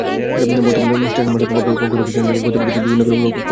কার্যত স্টেশনমাস্টারের কক্ষ থেকে ট্রেনের গতিবিধিসহ যাবতীয় কার্যক্রম পর্যবেক্ষণ করা হয়।